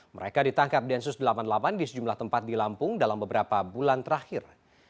mereka ditangkap densus delapan puluh delapan di sejumlah tempat di lampung dalam beberapa bulan terakhir